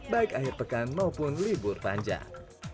baik akhir pekan maupun libur panjang